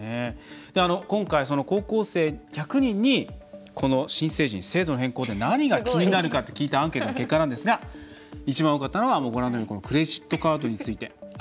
今回、高校生１００人にこの新成人制度の変更点何が気になるかと聞いたアンケートの結果なんですが一番多かったのが、ご覧のようにクレジットカードについて。